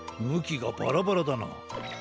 むきがバラバラだな。